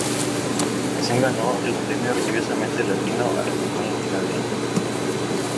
La canción ganó el Premios Orgullosamente Latino a la canción latina del año.